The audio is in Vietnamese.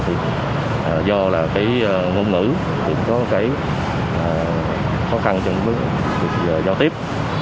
thì do là cái ngôn ngữ cũng có cái khó khăn trong cuộc giao tiếp